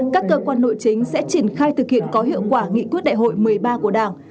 các cơ quan nội chính sẽ triển khai thực hiện có hiệu quả nghị quyết đại hội một mươi ba của đảng